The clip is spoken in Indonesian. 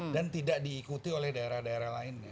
dan tidak diikuti oleh daerah daerah lainnya